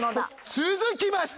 続きまして。